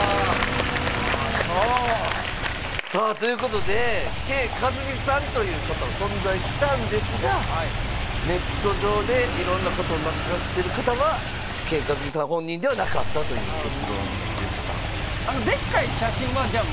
そうさあということでＫ．カズミさんという方は存在したんですがネット上で色んなこと流してる方はＫ．カズミさん本人ではなかったという結論でしたあのデッカい写真はじゃあ